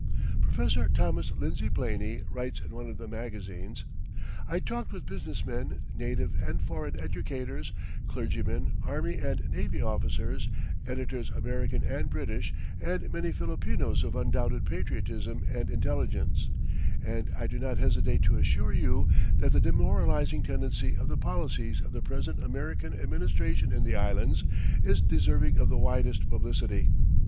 '" Professor Thomas Lindsey Blayney writes in one of the magazines: "I talked with business men, native and foreign educators, clergymen, army and navy officers, editors American and British, and many Filipinos of undoubted patriotism and intelligence, and I do not hesitate to assure you that the demoralizing tendency of the policies of the present American administration in the Islands is deserving of the widest publicity."